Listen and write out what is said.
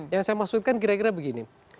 yang saya maksudkan kira kira begini